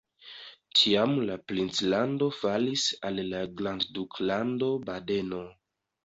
Tiam la princlando falis al la Grandduklando Badeno.